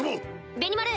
ベニマル。